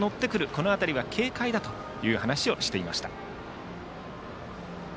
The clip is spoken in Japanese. この辺りは警戒だという話をしていました。